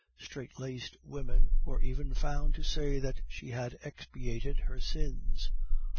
Strait laced women were even found to say that she had expiated her sins.